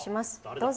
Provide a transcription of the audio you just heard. どうぞ。